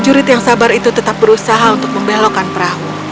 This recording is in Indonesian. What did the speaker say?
jurid yang sabar itu tetap berusaha untuk membelokkan perahu